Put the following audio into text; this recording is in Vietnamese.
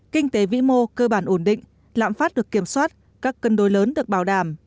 kinh tế vĩ mô cơ bản ổn định lạm phát được kiểm soát các cân đối lớn được bảo đảm